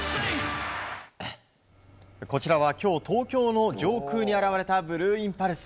こちらは今日東京の上空に現れたブルーインパルス。